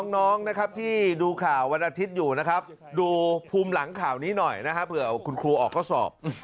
น้องนะครับที่ดูข่าววันอาทิตย์อยู่นะครับดูภูมิหลังข่าวนี้หน่อยนะครับเผื่อคุณครูออกก็สอบ